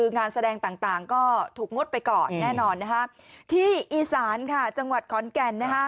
งานแสดงต่างก็ถูกงดไปก่อนแน่นอนนะคะที่อีสานค่ะจังหวัดขอนแก่น